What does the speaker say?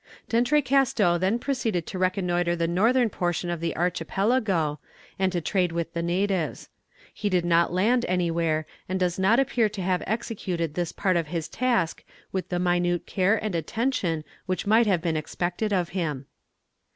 D'Entrecasteaux then proceeded to reconnoitre the northern portion of the archipelago, and to trade with the natives. He did not land anywhere, and does not appear to have executed this part of his task with the minute care and attention which might have been expected of him.